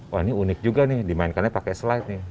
wah ini unik juga nih dimainkannya pakai slide nih